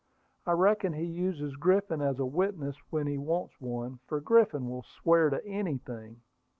I reckon he uses Griffin as a witness when he wants one, for Griffin will swear to anything."